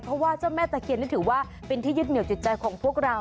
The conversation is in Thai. เพราะว่าเจ้าแม่ตะเคียนนี่ถือว่าเป็นที่ยึดเหนียวจิตใจของพวกเรา